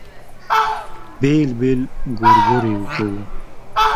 بېل بېل ګورګورې کوو.